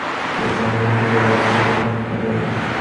এর সমাধান করলে বাড়তি কত পয়েন্ট পাওয়া যাবে?